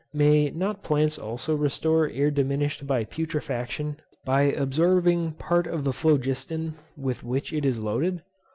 May not plants also restore air diminished by putrefaction by absorbing part of the phlogiston with which it is loaded?